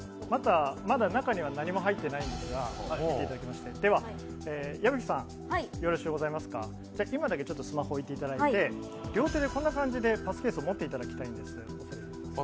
まだ中には何も入っていないんですが、矢吹さん、今だけスマホを置いていただいて両手でこんな感じでパスケースを持っていただきたいんです。